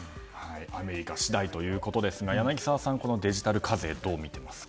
アメリカ次第ということですが柳澤さん、デジタル課税どう見ていますか？